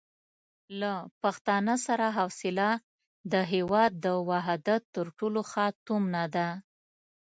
له پښتانه سره حوصله د هېواد د وحدت تر ټولو ښه تومنه ده.